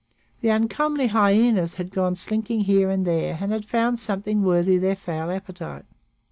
The uncomely hyenas had gone slinking here and there and had found something worthy their foul appetite.